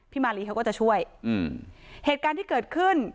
มาลีเขาก็จะช่วยอืมเหตุการณ์ที่เกิดขึ้น